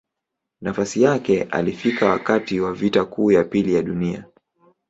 Nafasi yake alifika wakati wa Vita Kuu ya Pili ya Dunia.